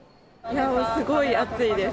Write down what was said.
すごい暑いです。